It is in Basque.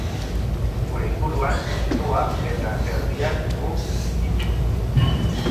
Gure inguruan, mundua, eta erdian gu, itsu.